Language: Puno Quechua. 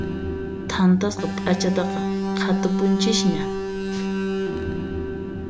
Thantasqa p'achataqa qhatupunchisña.